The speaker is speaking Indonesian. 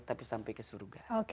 tapi sampai ke surga